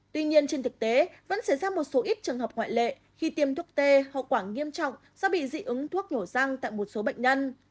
tuy nhiên trên thực tế vẫn xảy ra một số ít trường hợp ngoại lệ khi tiêm thuốc tê hậu quả nghiêm trọng do bị dị ứng thuốc nhổ răng tại một số bệnh nhân